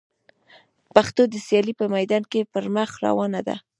پښتو د سیالۍ په میدان کي پر مخ روانه ده.